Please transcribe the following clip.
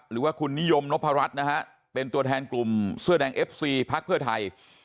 หรือว่าคุณนิยมนพรัชนะฮะเป็นตัวแทนกลุ่มเสื้อแดงเอฟซีพักเพื่อไทย